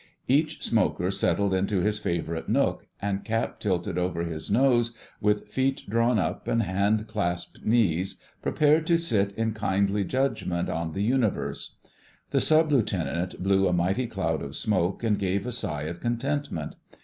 Each smoker settled into his favourite nook, and, cap tilted over his nose, with feet drawn up and hand clasped knees, prepared to sit in kindly judgment on the Universe. The Sub Lieutenant blew a mighty cloud of smoke and gave a sigh of contentment.